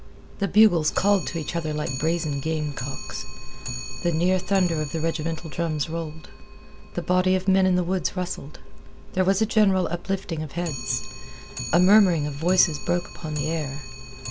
The bugles called to each other like brazen gamecocks. The near thunder of the regimental drums rolled. The body of men in the woods rustled. There was a general uplifting of heads. A murmuring of voices broke upon the air.